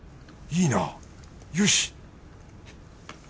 いいなよし！